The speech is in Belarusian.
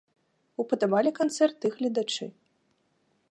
Упадабалі канцэрт і гледачы.